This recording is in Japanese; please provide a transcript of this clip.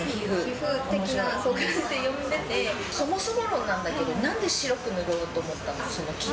そもそも論なんだけど、なんで白く塗ろうと思ったのか。